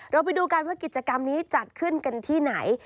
เราไปดูกันว่ากิจกรรมนี้จัดขึ้นกันที่ไหน